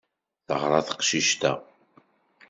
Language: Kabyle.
Teɣra teqcic-a.